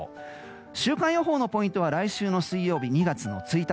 週間予報のポイントは来週の水曜日２月１日。